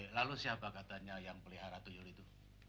lalu siapa katanya yang pelihara tuyur itu